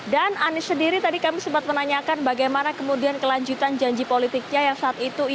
dan anies sendiri tadi kami sempat menanyakan bagaimana kemudian kelanjutan janji politiknya yang saat itu